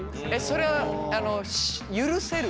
それは許せる？